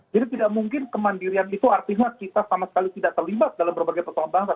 jadi tidak mungkin kemandirian itu artinya kita sama sekali tidak terlibat dalam berbagai persoalan bangsa